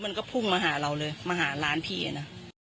มันก็พุ่งมาหาเราเลยมาหาร้านพี่อ่ะนะ